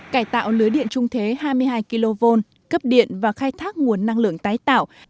cải tạo lưới điện trung thế hai mươi hai kv cấp điện và khai thác nguồn năng lượng tái tạo